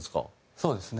そうですね。